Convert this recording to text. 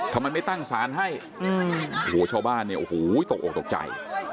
ทำไมไม่ตั้งสารให้โอ้โหชาวบ้านเนี่ยโอ้โหตกออกตกใจ